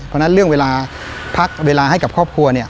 เพราะฉะนั้นเรื่องเวลาพักเวลาให้กับครอบครัวเนี่ย